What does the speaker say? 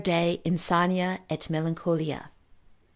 de Insania et Melancholia.